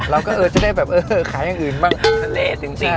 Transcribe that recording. เราก็เออจะได้แบบเออขายอย่างอื่นบ้าง